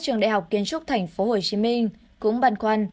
trường đại học kiến trúc tp hcm cũng băn khoăn